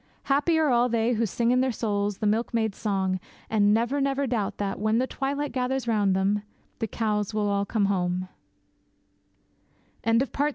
Happy are all they who sing in their souls the milkmaid's song, and never, never doubt that, when the twilight gathers round them, the cows will all come home!